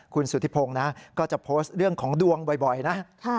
คุณสุธิพงศ์นะก็จะโพสต์เรื่องของดวงบ่อยนะ